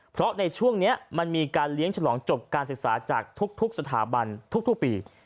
เพราะในช่วงนี้มันมีการเลี้ยงฉลองจบการศึกษาจากทุกสถาบันทุกปี